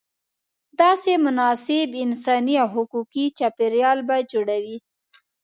داسې مناسب انساني او حقوقي چاپېریال به جوړوې.